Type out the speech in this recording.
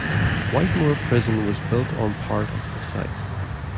Whitemoor prison was built on part of the site.